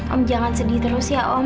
om jangan sedih terus ya om